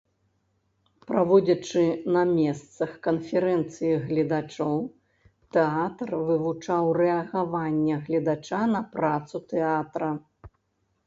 Праводзячы на месцах канферэнцыі гледачоў, тэатр вывучаў рэагаванне гледача на працу тэатра.